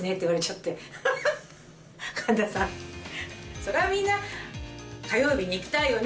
「そりゃみんな火曜日に行きたいよね」